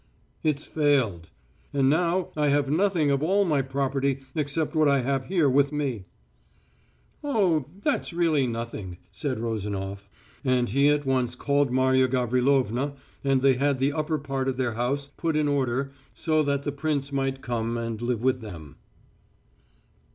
"It's failed. And now I've nothing of all my property except what I have here with me." "Oh, that's really nothing," said Rozanof, and he at once called Marya Gavrilovna, and they had the upper part of their house put in order so that the prince might come and live with them.